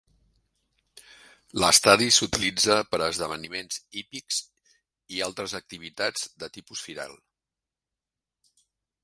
L'estadi s'utilitza per a esdeveniments hípics i altres activitats de tipus firal.